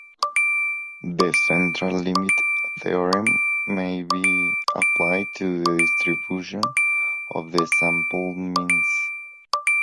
The central limit theorem may be applied to the distribution of the sample means.